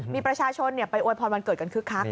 มีประชาชนไปอวยพรวันเกิดกันคึกคัก